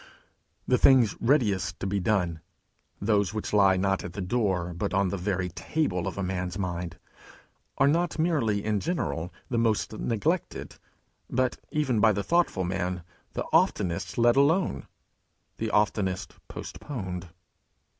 The things readiest to be done, those which lie not at the door but on the very table of a man's mind, are not merely in general the most neglected, but even by the thoughtful man, the oftenest let alone, the oftenest postponed.